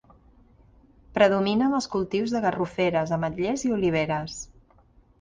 Predominen els cultius de garroferes, ametllers i oliveres.